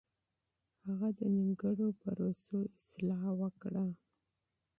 هغه د نيمګړو پروسو اصلاح وکړه.